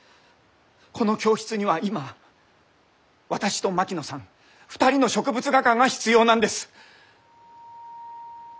この教室には今私と槙野さん２人の植物画家が必要なんです。